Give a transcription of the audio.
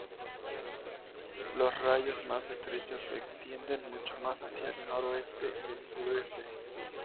Los rayos más estrechos se extienden mucho más hacia el noroeste y el suroeste.